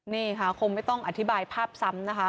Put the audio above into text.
นี่ค่ะคงไม่ต้องอธิบายภาพซ้ำนะคะ